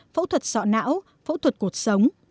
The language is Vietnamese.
phẫu thuật sọ não phẫu thuật cột sống